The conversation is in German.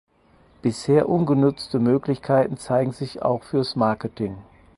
Bisher ungenutzte Möglichkeiten zeigen sich auch fürs Marketing.